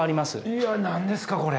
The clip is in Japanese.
いや何ですかこれ。